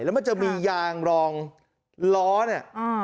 แล้วมันจะมียางรองล้อเนี่ย